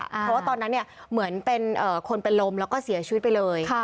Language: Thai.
เพราะว่าตอนนั้นเหมือนเป็นคนเป็นลมแล้วก็เสียชีวิตไปเลย